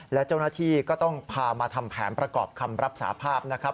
และเจ้าหน้าที่ก็ต้องพามาทำแผนประกอบคำรับสาภาพนะครับ